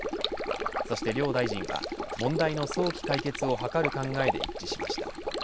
そして両大臣は問題の早期解決を図る考えで一致しました。